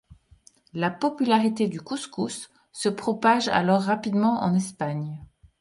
La popularité du couscous se propage alors rapidement en Espagne.